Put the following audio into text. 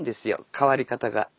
変わり方が。